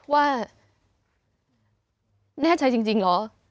ว่าแน่ใจจริงเหรอ